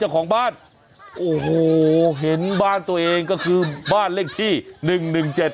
เจ้าของบ้านโอ้โหเห็นบ้านตัวเองก็คือบ้านเลขที่หนึ่งหนึ่งเจ็ด